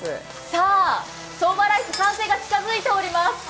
そばライス完成が近づいております。